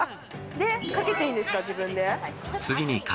でかけていいんですか？